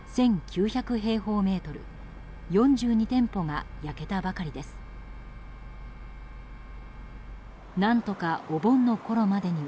平方メートル４２店舗が焼けたばかりです。